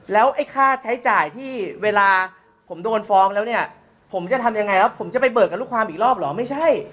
แล้วไอ้ค่าใช้จ่ายที่เวลาผมโดนฟ้องแล้วเนี่ยผมจะทำยังไงแล้วผมจะไปเบิกกับลูกความอีกรอบเหรอไม่ใช่